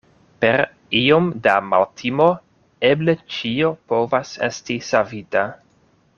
Per iom da maltimo eble ĉio povas esti savita.